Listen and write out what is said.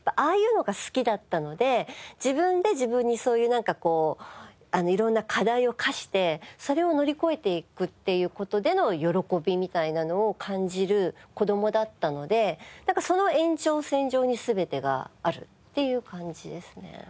ああいうのが好きだったので自分で自分にそういう色んな課題を課してそれを乗り越えていくっていう事での喜びみたいなのを感じる子供だったのでなんかその延長線上に全てがあるっていう感じですね。